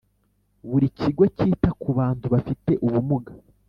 Buri kigo cyita ku bantu bafite ubumuga